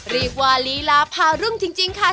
รีบว่าลีลาพารุ่งถึงจริงค่ะ